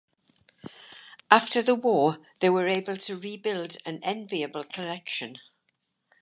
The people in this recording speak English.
After the war they were able to rebuild an enviable collection.